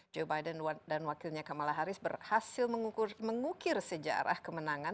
joe biden dan wakilnya kamala harris berhasil mengukir sejarah kemenangan